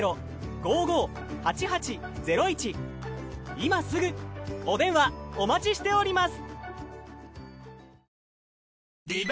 今すぐお電話お待ちしております！